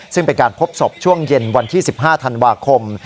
ซึ่งเป็นการพบศพช่วงเย็นวันที่๑๕ธันวาคม